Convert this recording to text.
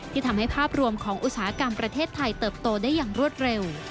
ที่ทำให้ภาพรวมของอุตสาหกรรมประเทศไทยเติบโตได้อย่างรวดเร็ว